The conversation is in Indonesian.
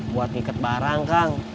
buat ngiket barang kang